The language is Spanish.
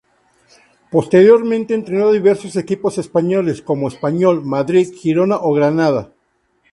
Posteriormente entrenó a diversos equipos españoles como Español, Madrid, Girona o Granada.